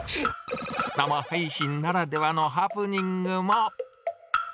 生配信ならではのハプニングも。